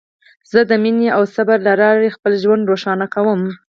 زه د مینې او صبر له لارې خپل ژوند روښانه کوم.